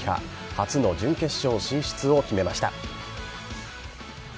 初の準決勝進出を決めました。